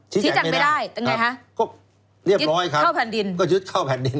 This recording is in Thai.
ชี้แจงไม่ได้ยึดเข้าแผ่นดิน